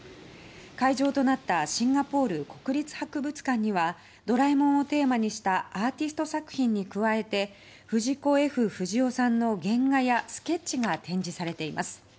会場となったシンガポール国立博物館には「ドラえもん」をテーマにしたアーティスト作品に加えて藤子・Ｆ・不二雄さんの原画やスケッチが展示されています。